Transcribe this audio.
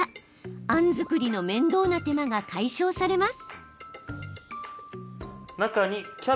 あん作りの面倒な手間が解消されます。